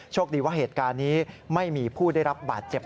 โชคดีว่าเหตุการณ์นี้ไม่มีผู้ได้รับบาดเจ็บ